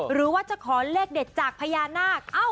หรือว่าจะขอเลขเด็ดจากพญานาค